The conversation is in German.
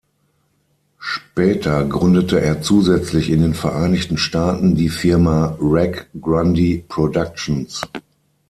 Später gründete er zusätzlich in den Vereinigten Staaten die Firma Reg Grundy Productions.